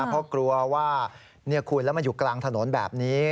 เพราะกลัวว่าคุณแล้วมันอยู่กลางถนนแบบนี้